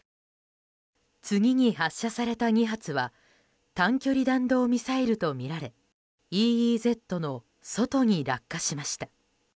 次に発射された２発は短距離弾道ミサイルとみられＥＥＺの外に落下しました。